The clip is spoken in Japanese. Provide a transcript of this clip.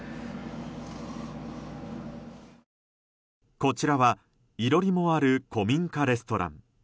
こちらは、囲炉裏もある古民家レストラン。